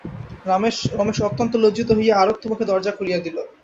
রমেশ অত্যন্ত লজ্জিত হইয়া আরক্ত মুখে দরজা খুলিয়া দিল।